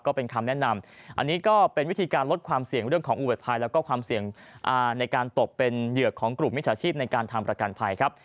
ก็เป็นคำแนะนำอันนี้ก็เป็นวิธีการลดความเสี่ยงเรื่องของอุบัติเหตุภัยแล้วก็ความเสี่ยงในการตกเป็นเหยื่อของกลุ่มมิจฉาชีพในการทำประกันภัยครับ